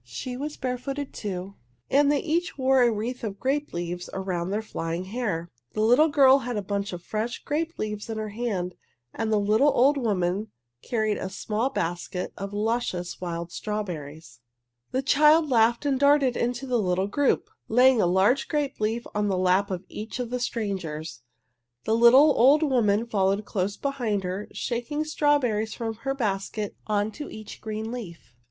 She was barefooted, too, and they each wore a wreath of grape leaves around their flying hair. The little girl had a bunch of fresh grape leaves in her hand, and the little old woman carried a small basket of luscious wild strawberries. [Illustration: The child laughed and darted into the little group] The child laughed and darted into the little group, laying a large grape leaf on the lap of each of the strangers. The little old woman followed close behind her, shaking strawberries from her basket onto each green leaf.